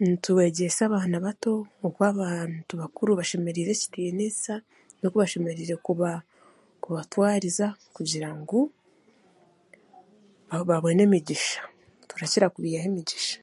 Nitwegyesa abaana bato oku abantu bakuru bashemereire ekiniisa n'oku baashemereire kuba kubatwariza kugira ngu babone emigisha turakira kubaihaho emigisha